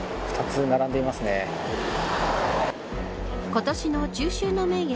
今年の中秋の名月